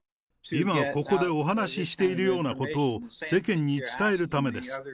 今ここでお話しているようなことを、世間に伝えるためです。